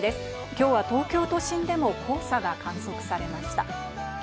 今日は東京都心でも黄砂が観測されました。